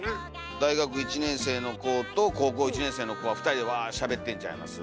大学１年生の子と高校１年生の子が２人でワーッしゃべってんちゃいます？